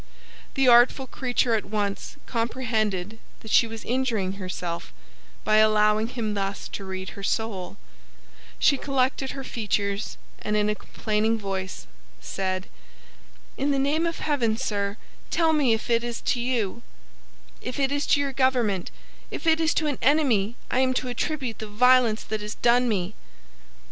The artful creature at once comprehended that she was injuring herself by allowing him thus to read her soul; she collected her features, and in a complaining voice said: "In the name of heaven, sir, tell me if it is to you, if it is to your government, if it is to an enemy I am to attribute the violence that is done me?"